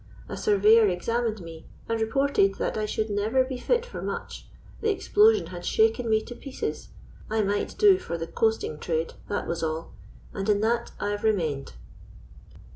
A surveyor examined me, and reported that I should never be fit for much: the explosion had shaken me to pieces. I might do for the coasting trade that was all; and in that I've remained."